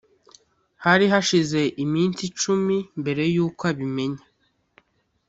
hari hashize iminsi icumi mbere yuko abimenya